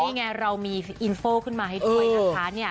นี่ไงเรามีอินโฟลขึ้นมาให้ด้วยนะคะ